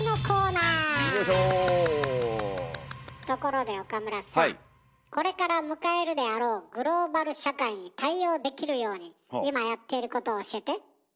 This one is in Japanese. ところで岡村さあこれから迎えるであろうグローバル社会に対応できるように今やっていることを教えて？